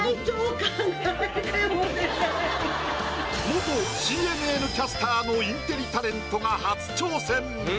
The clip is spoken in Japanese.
元ＣＮＮキャスターのインテリタレントが初挑戦。